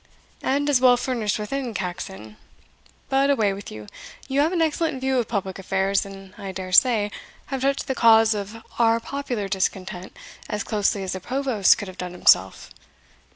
"And as well furnished within, Caxon. But away with you! you have an excellent view of public affairs, and, I dare say, have touched the cause of our popular discontent as closely as the provost could have done himself.